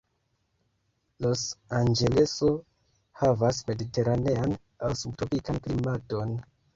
Los Anĝeleso havas mediteranean aŭ subtropikan klimaton.